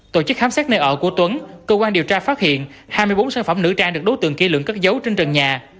tổ chức khám xét nơi ở của tuấn cơ quan điều tra phát hiện hai mươi bốn sản phẩm nữ trang được đối tượng kỷ lượng cất dấu trên trần nhà